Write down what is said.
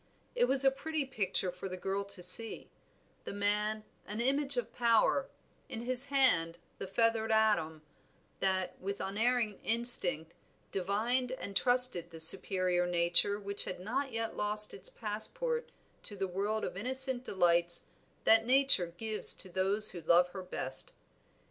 It was a pretty picture for the girl to see; the man, an image of power, in his hand the feathered atom, that, with unerring instinct, divined and trusted the superior nature which had not yet lost its passport to the world of innocent delights that Nature gives to those who love her best.